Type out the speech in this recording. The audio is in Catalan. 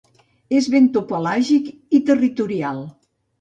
És bentopelàgic i territorial.